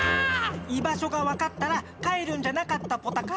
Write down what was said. いばしょがわかったら帰るんじゃなかったポタか？